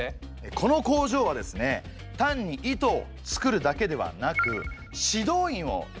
この工場はですね単に糸を作るだけではなく指導員を育成する目的があったんです。